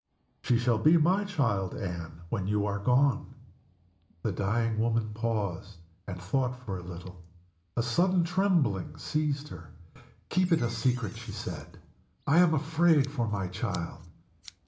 "She shall be my child, Anne, when you are gone." The dying woman paused, and thought for a little. A sudden trembling seized her. "Keep it a secret!" she said. "I am afraid for my child."